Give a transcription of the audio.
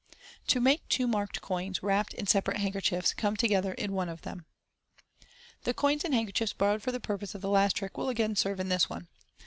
TO MAKE TWO MARKED COINS. WRAPPED IN SEPARATE HANDKER CHIEFS, come together in one of them. — The coins and handker chiefs borrowed for the purpose of the last trick will again serve in this one.